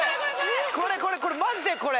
これこれこれマジでこれ！